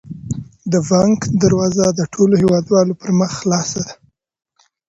د بانک دروازه د ټولو هیوادوالو پر مخ خلاصه ده.